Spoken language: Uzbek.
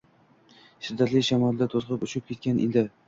shiddatli shamolda to‘zg‘ib uchib ketgan edi.